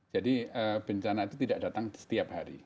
jadi bencana itu tidak datang setiap hari